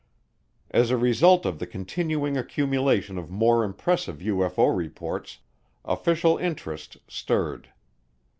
As a result of the continuing accumulation of more impressive UFO reports, official interest stirred.